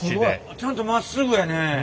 ちゃんとまっすぐやね。